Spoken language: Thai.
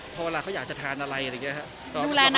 เพราะเวลาเขาอยากทานอะไรออกเขาก็ต้องทางให้